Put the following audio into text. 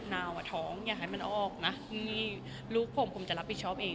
นาวอ่ะท้องอย่าให้มันออกนะนี่ลูกผมผมจะรับผิดชอบเอง